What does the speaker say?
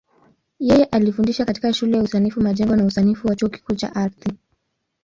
Yeye alifundisha katika Shule ya Usanifu Majengo na Usanifu wa Chuo Kikuu cha Ardhi.